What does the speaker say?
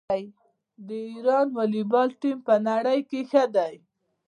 د ایران والیبال ټیم په نړۍ کې ښه دی.